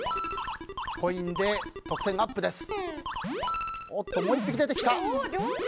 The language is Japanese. コインで得点アップです。